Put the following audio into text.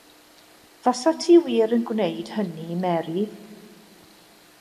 Fasat ti wir yn gwneud hynny Mary?